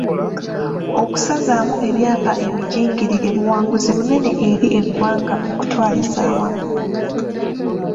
Okusazaamu ebyapa ebijingirire buwanguzi bunene eri eggwanga okutwaliza awamu.